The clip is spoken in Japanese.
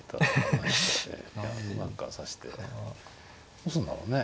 どうすんだろうね？